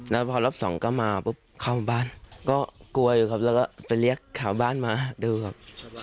แล้วพอรอบสองก็มาปุ๊บเข้าบ้านก็กลัวอยู่ครับแล้วก็ไปเรียกชาวบ้านมาดูครับ